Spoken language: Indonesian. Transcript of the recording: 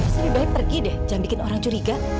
terus lebih baik pergi deh jangan bikin orang curiga